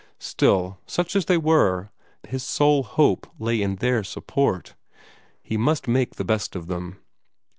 Still, such as they were, his sole hope lay in their support. He must make the best of them.